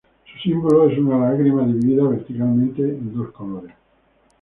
Su símbolo es una lágrima dividida verticalmente a dos colores.